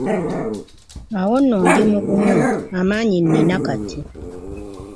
Awo nno ndimugumu amaanyi nina kati.